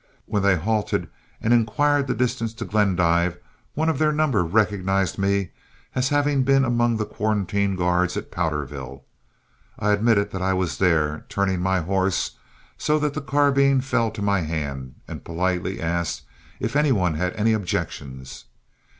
When they halted and inquired the distance to Glendive, one of their number recognized me as having been among the quarantine guards at Powderville. I admitted that I was there, turning my horse so that the carbine fell to my hand, and politely asked if any one had any objections.